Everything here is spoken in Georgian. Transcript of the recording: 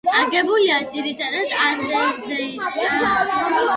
აგებულია ძირითადად ანდეზიტებით.